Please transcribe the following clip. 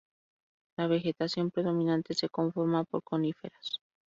La vegetación predominante se conforma por coníferas.